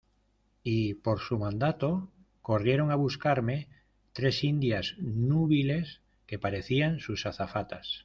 y por su mandato corrieron a buscarme tres indias núbiles que parecían sus azafatas.